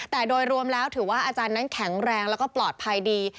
แต่โดยรวมแล้วถือว่าอาจารย์นั้นแข็งแรงแล้วก็ปลอดภัยดี